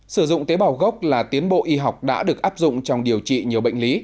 sử dụng tế bào gốc là tiến bộ y học đã được áp dụng trong điều trị nhiều bệnh lý